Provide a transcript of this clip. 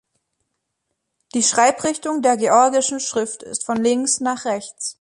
Die Schreibrichtung der georgischen Schrift ist von links nach rechts.